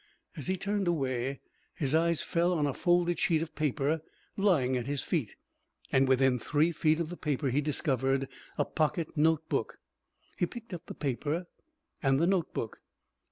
As he turned away his eyes fell on a folded sheet of paper lying at his feet, and within three feet of the paper he discovered a pocket notebook. He picked up the paper and the notebook.